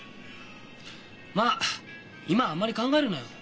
まあ今はあんまり考えるなよ。